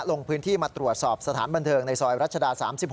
ลงพื้นที่มาตรวจสอบสถานบันเทิงในซอยรัชดา๓๖